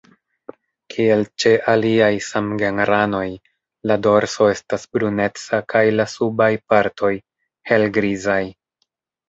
Kiel ĉe aliaj samgenranoj la dorso estas bruneca kaj la subaj partoj helgrizaj.